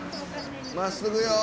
真っすぐよ。